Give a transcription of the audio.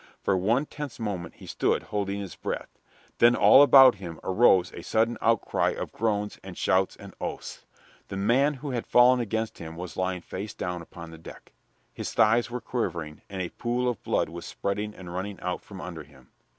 For one tense moment he stood holding his breath. Then all about him arose a sudden outcry of groans and shouts and oaths. The man who had fallen against him was lying face down upon the deck. His thighs were quivering, and a pool of blood was spreading and running out from under him.